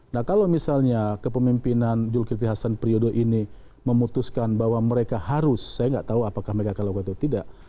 nah kalau misalnya kepemimpinan zulkifli hasan periode ini memutuskan bahwa mereka harus saya nggak tahu apakah mereka akan lakukan atau tidak